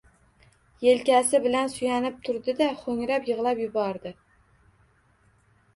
Yelkasi bilan suyanib turdi-da, hoʻngrab yigʻlab yubordi